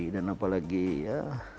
dan apalagi ya